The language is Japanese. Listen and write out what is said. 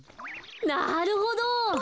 なるほど！